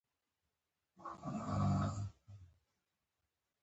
د دې لپاره چې د هغوی د ژوند په څرخ کې فعال رول ولوبوي